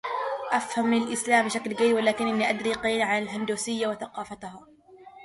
أفهم الإسلام بشكل جيد ولكنني أدري قليلاً عن الهندوسية وثقافتها.